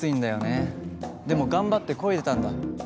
でも頑張ってこいでたんだ。